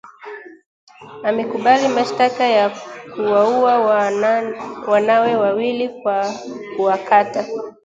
amekubali mashtaka ya kuwaua wanawe wawili kwa kuwakata